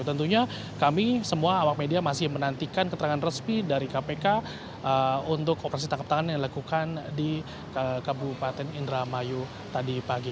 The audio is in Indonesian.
tentunya kami semua awak media masih menantikan keterangan resmi dari kpk untuk operasi tangkap tangan yang dilakukan di kabupaten indramayu tadi pagi